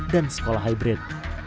dan sekolah hybrid